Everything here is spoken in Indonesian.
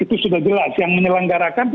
itu sudah jelas yang menyelenggarakan